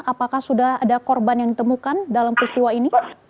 apakah sudah ada korban yang ditemukan dalam peristiwa ini